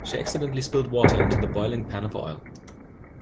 She accidentally spilt water into the boiling pan of oil